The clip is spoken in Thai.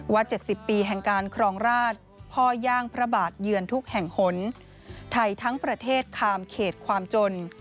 ๗๐ปีแห่งการครองราชพ่อย่างพระบาทเยือนทุกแห่งหนไทยทั้งประเทศคามเขตความจน